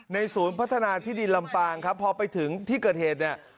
ศูนย์พัฒนาที่ดินลำปางครับพอไปถึงที่เกิดเหตุเนี่ย